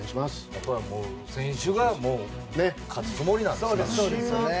やっぱり、選手が勝つつもりなんですよね。